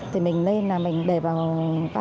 thì mình nên là mình để vào các